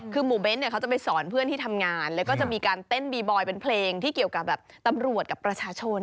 คือหมู่เบ้นเนี่ยเขาจะไปสอนเพื่อนที่ทำงานแล้วก็จะมีการเต้นบีบอยเป็นเพลงที่เกี่ยวกับแบบตำรวจกับประชาชน